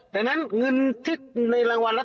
ทนายเกิดผลครับ